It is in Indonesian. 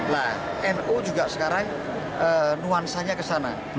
nah nu juga sekarang nuansanya ke sana